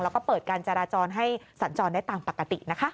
แล้วก็เปิดการจราจรให้สัญจรได้ตามปกตินะคะ